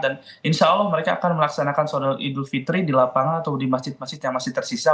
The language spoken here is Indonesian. dan insya allah mereka akan melaksanakan salat idul fitri di lapangan atau di masjid masjid yang masih tersisa